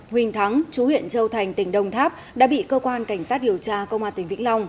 huỳnh thắng chú huyện châu thành tỉnh đồng tháp đã bị cơ quan cảnh sát điều tra công an tỉnh vĩnh long